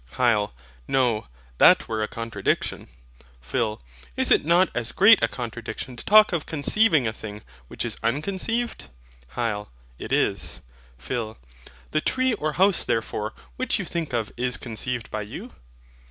HYL. No, that were a contradiction. PHIL. Is it not as great a contradiction to talk of CONCEIVING a thing which is UNCONCEIVED? HYL. It is. PHIL. The tree or house therefore which you think of is conceived by you?